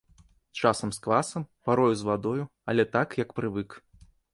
Часам з квасам, парою з вадою, але так, як прывык.